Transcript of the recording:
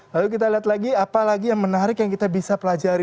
lalu kita lihat lagi apa lagi yang menarik yang kita bisa pelajari